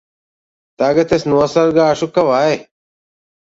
Tagad es nosargāšu ka vai!